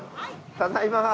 ただいま。